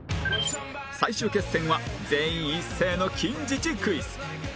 最終決戦は全員一斉の近似値クイズ